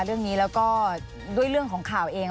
เรื่องนี้แล้วก็ด้วยเรื่องของข่าวเอง